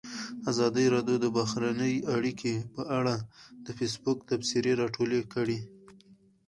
ازادي راډیو د بهرنۍ اړیکې په اړه د فیسبوک تبصرې راټولې کړي.